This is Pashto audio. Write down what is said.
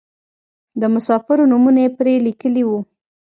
د مسافرو نومونه یې پرې لیکلي وو.